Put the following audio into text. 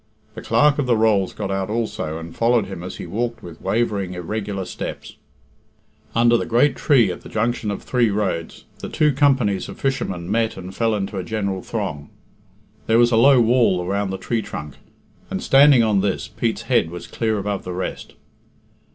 The Clerk of the Rolls got out also, and followed him as he walked with wavering, irregular steps. Under a great tree at the junction of three roads, the two companies of fishermen met and fell into a general throng. There was a low wall around the tree trunk, and, standing on this, Pete's head was clear above the rest.